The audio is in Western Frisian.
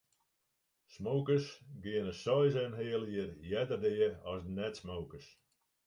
Smokers geane seis en in heal jier earder dea as net-smokers.